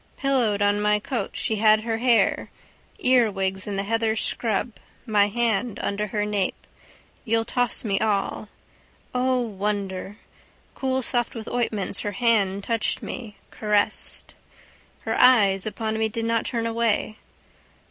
Pillowed on my coat she had her hair, earwigs in the heather scrub my hand under her nape, you'll toss me all. O wonder! Coolsoft with ointments her hand touched me, caressed: her eyes upon me did not turn away.